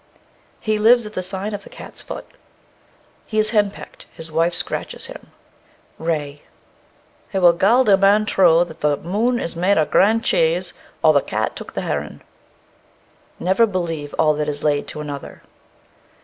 He lives at the sign of the cat's foot. He is hen pecked, his wife scratches him. RAY. He wald gar a man trow that the moon is made of green cheis, or the cat took the heron. Never believe all that is laid to another.